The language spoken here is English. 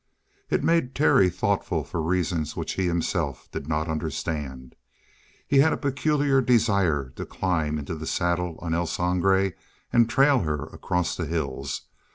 It made Terry thoughtful for reasons which he himself did not understand. He had a peculiar desire to climb into the saddle on El Sangre and trail her across the hills.